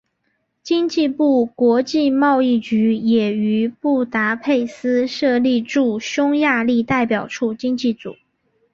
经济部国际贸易局也于布达佩斯设立驻匈牙利代表处经济组。